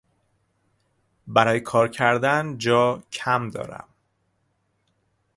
برای کار کردن جاکم دارم.